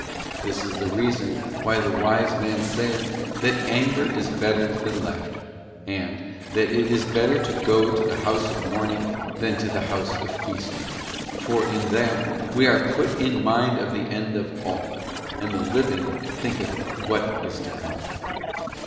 This is the reason why the wise man saith that 'anger is better than laughter ;'* and that 'it is better to go to the house of mourning than to the house of feasting ; for in that we are put in mind of the end of all, and the living thinketh what is to come.